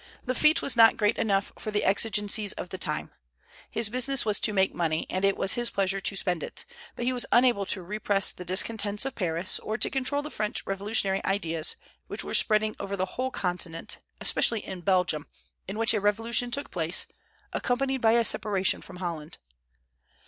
Lafitte was not great enough for the exigencies of the times. His business was to make money, and it was his pleasure to spend it; but he was unable to repress the discontents of Paris, or to control the French revolutionary ideas, which were spreading over the whole Continent, especially in Belgium, in which a revolution took place, accompanied by a separation from Holland.